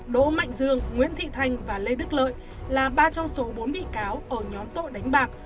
đỗ mạnh dương nguyễn thị thanh và lê đức lợi là ba trong số bốn bị cáo ở nhóm tội đánh bạc